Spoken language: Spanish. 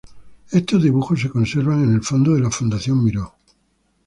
Estos dibujos se conservan en el fondo de la Fundación Miró.